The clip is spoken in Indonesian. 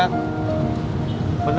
gua tebel nih